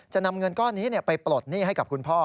นำเงินก้อนนี้ไปปลดหนี้ให้กับคุณพ่อ